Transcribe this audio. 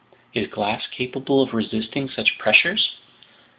"Is glass capable of resisting such pressures?"